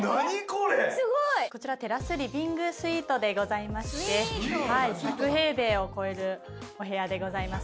こちらテラスリビングスイートでございまして１００平米を超えるお部屋でございます。